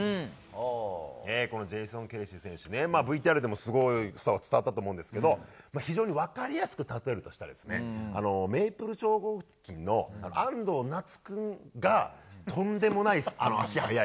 このジェイソン・ケルシー選手、今、ＶＴＲでもすごさ、伝わったと思うんですけど、非常に分かりやすく例えるとしたらですね、メイプル超合金の安藤なつ君が、とんでもない足速い。